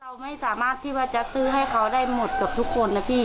เราไม่สามารถที่ว่าจะซื้อให้เขาได้หมดกับทุกคนนะพี่